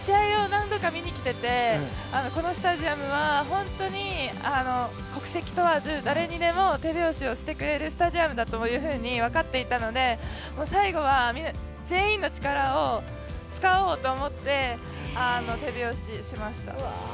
試合を何度か見に来ててこのスタジアムはホントに国籍問わず、誰にでも手拍子をしてくれるスタジアムだと分かっていたので、最後は全員の力を使おうと思って手拍子しました。